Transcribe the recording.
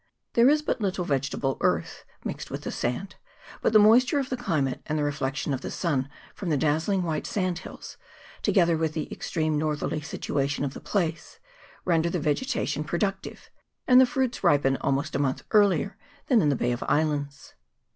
There is but little vegetable earth mixed with the sand, but the moisture of the climate, and the reflection of the sun from the dazzling white sand hills, together with the extreme northerly situation of the place, render the vegetation productive, and the fruits ripen almost a month earlier than in the Bay of Islands.